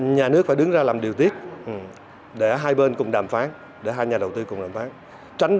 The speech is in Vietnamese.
nhà nước phải đứng ra làm điều tiết để hai bên cùng đàm phán để hai nhà đầu tư cùng đàm phán